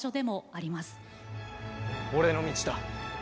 俺の道だ。